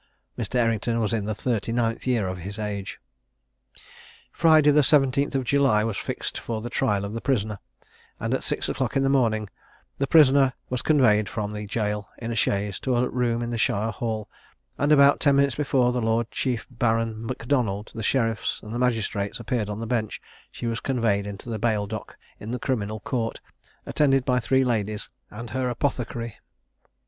Mr. Errington was in the thirty ninth year of his age. Friday, the 17th of July, was fixed for the trial of the prisoner, and at six o'clock in the morning, the prisoner was conveyed from the jail, in a chaise, to a room in the shire hall; and about ten minutes before the Lord Chief Baron Macdonald, the sheriffs, and magistrates, appeared on the bench, she was conveyed into the bail dock in the criminal court, attended by three ladies and her apothecary.